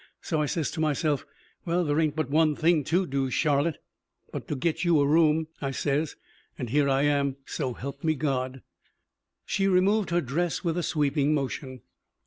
So I says to myself: 'Well, there ain't but one thing to do, Charlotte, but to get you a room,' I says, an' here I am, so help me God." She removed her dress with a sweeping motion.